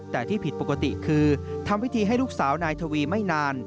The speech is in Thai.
แต่ที่ผิดปกติคือทำพิธีให้ลูกสาวนายทวีไม่นาน